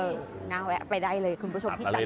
เออน่าแวะไปได้เลยคุณผู้ชมที่จัดบุรี